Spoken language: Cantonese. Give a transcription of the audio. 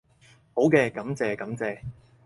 好嘅，感謝感謝